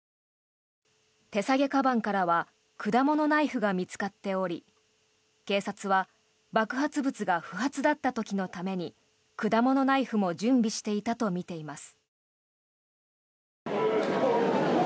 手提げかばんからは果物ナイフが見つかっており警察は爆発物が不発だった時のために果物ナイフも準備していたとみています。